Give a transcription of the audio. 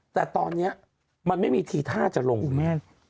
แต่ตอนนี้มันไม่มีทีท่าจะลงคุณแม่